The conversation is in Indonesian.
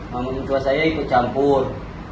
maman tua saya ikut campur